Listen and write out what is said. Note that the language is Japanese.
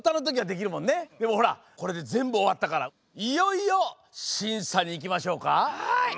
でもほらこれでぜんぶおわったからいよいよしんさにいきましょうか。